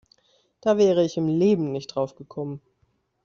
Da wäre ich im Leben nicht drauf gekommen.